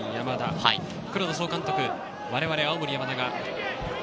黒田総監督、我々青森山田が。